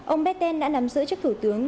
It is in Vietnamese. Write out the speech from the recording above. ông petain đã nắm giữ chức thủ tướng